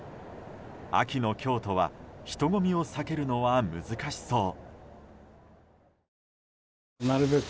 秋の京都は人混みを避けるのは難しそう。